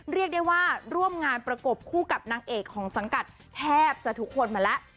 เรียกได้ว่าร่วมงานประกบคู่กับนางเอกของสังกัดแทบจะทุกคนมาแล้ว